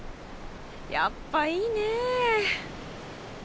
やっぱいいね。